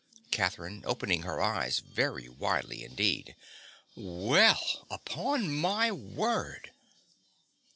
CATHERINE. (opening her eyes very widely indeed). Well, upon my word!